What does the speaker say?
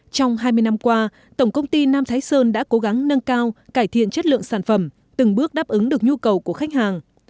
trong hai mươi năm qua tổng công ty nam thái sơn đã cố gắng nâng cao cải thiện chất lượng sản phẩm từng bước đáp ứng được nhu cầu của khách hàng